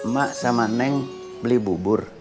mak sama neng beli bubur